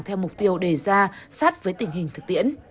theo mục tiêu đề ra sát với tình hình thực tiễn